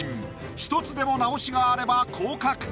１つでも直しがあれば降格。